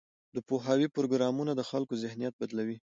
د پوهاوي پروګرامونه د خلکو ذهنیت بدلوي.